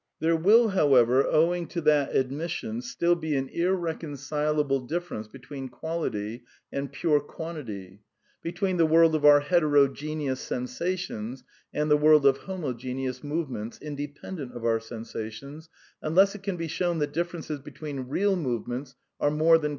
There will, however, owing to that admission, still be an irreconcilable difference between quality and pure quantity, between the world of our " heterogeneous " sen sations and the world of " homogeneous " movements in dependent of our sensations, unless it can be shown that differences between " real " movements are more than